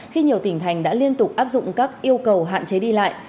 khi nhiều tỉnh thành đã liên tục áp dụng các yêu cầu hạn chế đi lại